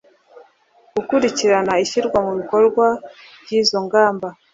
gukurikirana ishyirwa mu bikorwa ry izo ngamba